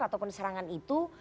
ataupun serangan itu